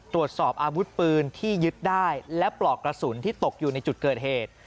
ตรวจสอบอาวุธปืนที่ยึดได้และปลอกกระสุนที่ตกอยู่ในจุดเกิดเหตุ